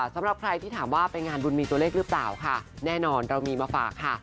สำหรับใครที่ถามว่าไปงานบุญมีตัวเลขหรือเปล่าค่ะแน่นอนเรามีมาฝากค่ะ